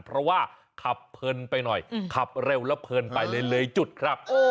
เพราะว่าขับเพลินไปหน่อยขับเร็วแล้วเพลินไปเลยจุดครับ